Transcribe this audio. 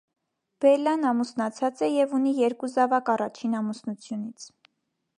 Բելլան ամուսնացած է և ունի երկու զավակ առաջին ամուսնությունից։